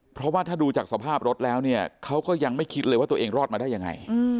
เพราะว่าถ้าดูจากสภาพรถแล้วเนี่ยเขาก็ยังไม่คิดเลยว่าตัวเองรอดมาได้ยังไง